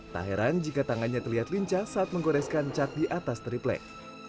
tak heran jika tangannya terlihat lincah saat menggoreskan cat di atas triplek